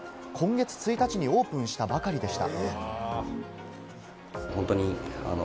今月１日にオープンしたばかりでした。